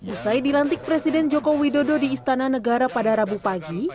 usai dilantik presiden joko widodo di istana negara pada rabu pagi